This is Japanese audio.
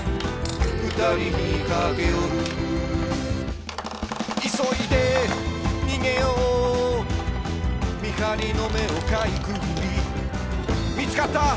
「ふたりにかけよる」「急いで逃げよう」「見張りの目をかいくぐり」「見つかった！